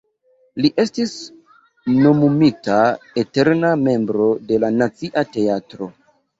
Li estis nomumita eterna membro de la Nacia Teatro.